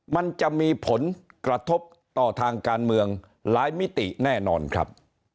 มันจะมีผลกระทบต่อทางการเมืองหลายมิติแน่นอนครับ